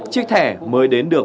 chiếc thẻ mới đến